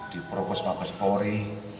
di propos papas polri